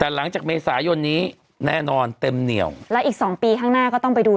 แต่หลังจากเมษายนนี้แน่นอนเต็มเหนียวและอีกสองปีข้างหน้าก็ต้องไปดู